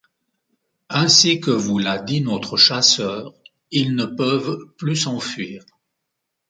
Ainsi que vous l’a dit notre chasseur, ils ne peuvent plus s’enfuir.